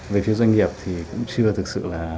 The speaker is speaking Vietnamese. về phía doanh nghiệp thì cũng chưa thực sự là